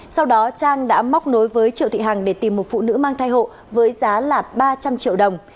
sau đó trang đã móc nối với triệu thị hằng để tìm một phụ nữ mang thai hộ với giá ba trăm linh triệu đồng